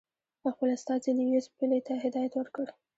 خپل استازي لیویس پیلي ته هدایت ورکړ.